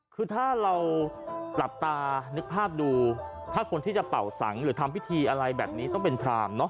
คือถ้าเราหลับตานึกภาพดูถ้าคนที่จะเป่าสังหรือทำพิธีอะไรแบบนี้ต้องเป็นพรามเนอะ